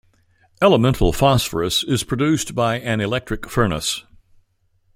Elemental phosphorus is produced by an electric furnace.